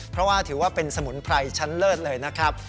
เพราะว่าถือว่าเป็นสมุนไพรชั้นเลิศเลยนะครับ